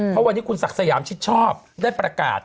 เพราะวันนี้คุณศักดิ์สยามชิดชอบได้ประกาศ